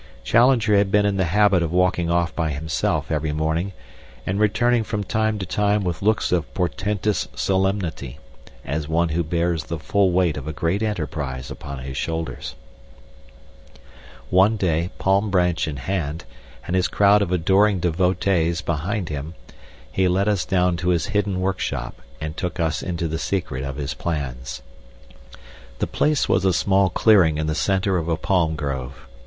Challenger had been in the habit of walking off by himself every morning and returning from time to time with looks of portentous solemnity, as one who bears the full weight of a great enterprise upon his shoulders. One day, palm branch in hand, and his crowd of adoring devotees behind him, he led us down to his hidden work shop and took us into the secret of his plans. The place was a small clearing in the center of a palm grove.